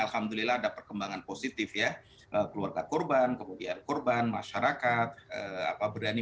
alhamdulillah ada perkembangan positif ya keluarga korban kemudian korban masyarakat apa berani